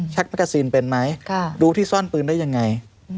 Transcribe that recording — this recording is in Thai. แกซีนเป็นไหมดูที่ซ่อนปืนได้ยังไง